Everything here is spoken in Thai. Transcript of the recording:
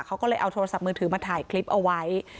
เขาก็เลยเอาโทรศัพท์มือถือมาถ่ายคลิปเอาไว้